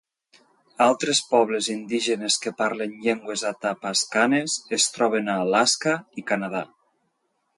Altres pobles indígenes que parlen llengües atapascanes es troben a Alaska i Canada.